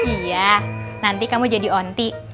iya nanti kamu jadi onti